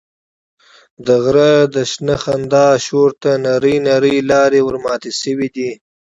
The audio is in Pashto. د غره د شنه خندا شور ته نرۍ نرۍ لارې ورماتې شوې دي.